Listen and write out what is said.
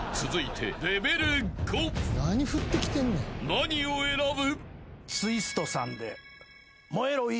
［何を選ぶ？］